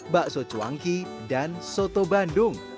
bakso cuangki dan soto bandung